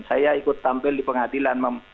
saya ikut tampil di pengadilan